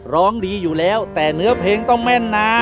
ร้องดีอยู่แล้วแต่เนื้อเพลงต้องแม่นนะ